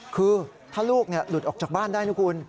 คือถ้าลูกหลุดออกจากบ้านได้นะคุณ